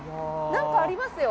何かありますよ。